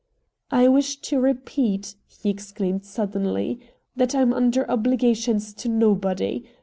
"I wish to repeat," he exclaimed suddenly, "that I'm under obligations to nobody.